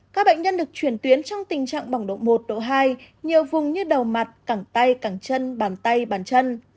các bệnh nhân được chuyển tuyến trong tình trạng bỏng độ một độ hai nhiều vùng như đầu mặt cẳng tay cẳng chân bàn tay bàn chân